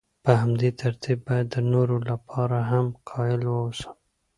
په همدې ترتیب باید د نورو لپاره هم قایل واوسم.